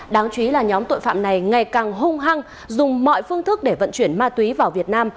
đáng chú ý là nhóm tội phạm này ngày càng hung hăng dùng mọi phương thức để vận chuyển ma túy vào việt nam